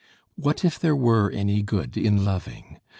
What if there were any good in loving?